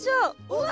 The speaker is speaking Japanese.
うわ！